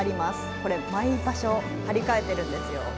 これ、毎場所、張り替えてるんですよ。